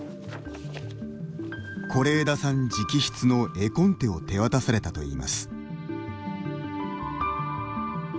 是枝さん直筆の絵コンテを手渡されたといいます。